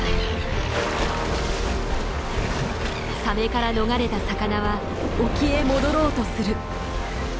サメから逃れた魚は沖へ戻ろうとする。